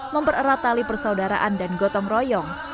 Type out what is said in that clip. mempereratali persaudaraan dan kebenaran